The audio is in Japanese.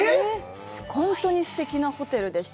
本当にすてきなホテルでした。